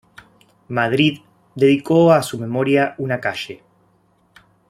Madrid dedicó a su memoria una calle.